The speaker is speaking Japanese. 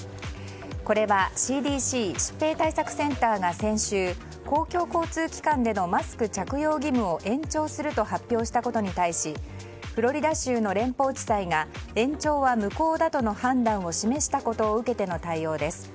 これはＣＤＣ・疾病対策センターが先週公共交通機関でのマスク着用義務を延長すると発表したことに対しフロリダ州の連邦地裁が延長は無効だとの判断を示したことを受けての対応です。